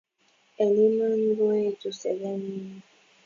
Eng' iman koetu seget ninyo